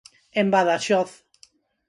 En Badaxoz.